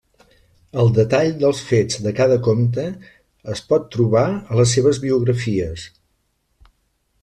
El detall dels fets de cada comte es pot trobar a les seves biografies.